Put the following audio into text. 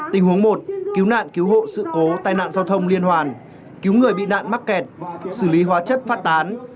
tình huống một cứu nạn cứu hộ sự cố tai nạn giao thông liên hoàn cứu người bị nạn mắc kẹt xử lý hóa chất phát tán